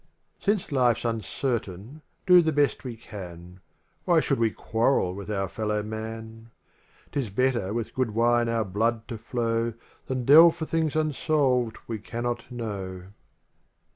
LIV Since life 's uncertain, do the best we can, Why should we quarrel with our fellow man ? 'Tis better with good wine our blood to now Than delve for things unsolved we cannot know.